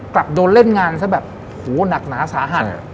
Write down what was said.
กลับโดนเล่นงานซะแบบโหหนักหนาสาหัส